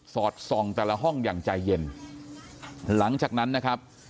สอดส่องแต่ละห้องอย่างใจเย็นหลังจากนั้นนะครับ